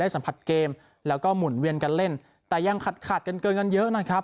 สัมผัสเกมแล้วก็หมุนเวียนกันเล่นแต่ยังขัดขาดกันเกินกันเยอะนะครับ